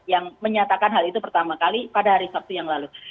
yang menyatakan hal itu pertama kali pada hari sabtu yang lalu